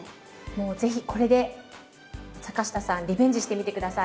もう是非これで坂下さんリベンジしてみて下さい。